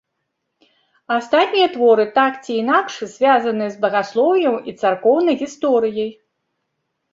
Астатнія творы так ці інакш звязаны з багаслоўем і царкоўнай гісторыяй.